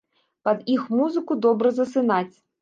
Пад іх музыку добра засынаць.